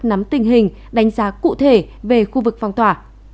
nắm tình hình đánh giá cụ thể về khu vực phong tỏa